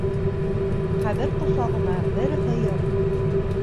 Ҡәбер ҡосағына бер һыйыр.